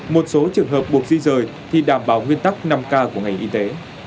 một số trường hợp buộc di rời thì đảm bảo nguyên tắc năm k của ngành y tế